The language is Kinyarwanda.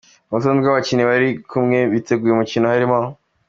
Urutonde rw’abakinnyi bari kumwe biteguye umukino harimo: